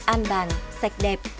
an bàng sạch đẹp